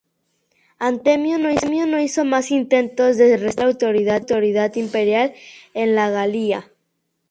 Antemio no hizo más intentos de restablecer la autoridad imperial en la Galia.